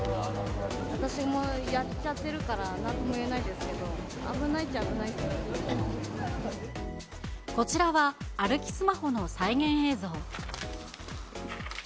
私もやっちゃってるから、なんとも言えないですけど、こちらは、歩きスマホの再現映像。